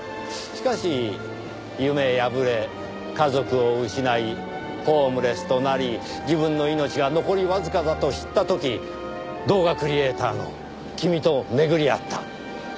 しかし夢破れ家族を失いホームレスとなり自分の命が残りわずかだと知った時動画クリエイターの君と巡り合った。